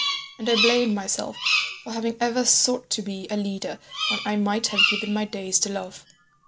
And I blamed myself for having ever sought to be a leader when I might have given my days to love.